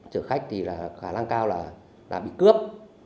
chở khách thì là khả năng cao là bị cướp